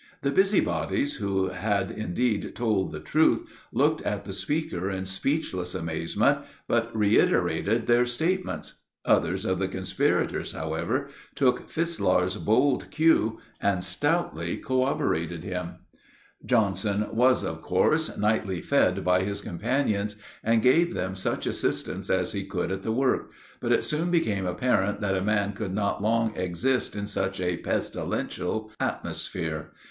The busybodies, who had indeed told the truth, looked at the speaker in speechless amazement, but reiterated their statements. Others of the conspirators, however, took Fislar's bold cue and stoutly corroborated him. Johnson, was, of course, nightly fed by his companions, and gave them such assistance as he could at the work; but it soon became apparent that a man could not long exist in such a pestilential atmosphere.